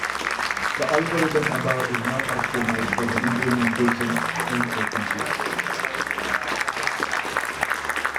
The algorithm above is not optimized for the implementation in a computer.